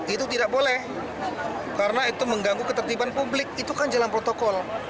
itu tidak boleh karena itu mengganggu ketertiban publik itu kan jalan protokol